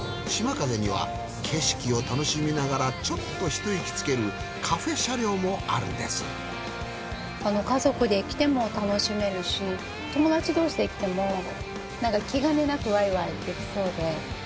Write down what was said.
かぜには景色を楽しみながらちょっとひと息つけるカフェ車両もあるんです家族で来ても楽しめるし友達同士で来ても気兼ねなくわいわいできそうで。